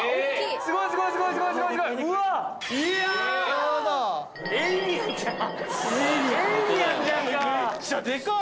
すごい、すごい。